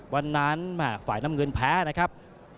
วันนั้นฝ่ายน้ำเงินแพ้นะครับ